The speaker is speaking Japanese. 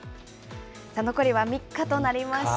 残りは３日となりました。